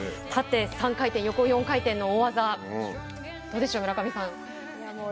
縦３回転、横４回転の大技どうでしょう、村上さん。